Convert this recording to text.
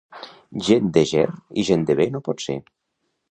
Gent de Ger i gent de bé no pot ser.